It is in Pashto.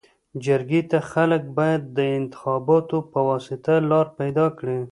جرګي ته خلک باید د انتخاباتو پواسطه لار پيداکړي.